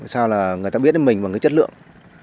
sao là người ta biết đến mình bằng cái chất lượng